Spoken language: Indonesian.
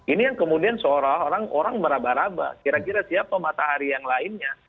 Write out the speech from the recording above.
ini yang kemudian seorang orang meraba raba kira kira siapa matahari yang lainnya